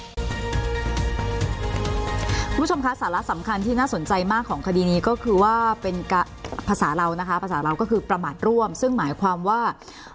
คุณผู้ชมคะสาระสำคัญที่น่าสนใจมากของคดีนี้ก็คือว่าเป็นภาษาเรานะคะภาษาเราก็คือประมาทร่วมซึ่งหมายความว่า